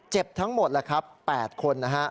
เจ็บทั้งหมดละครับ๘คน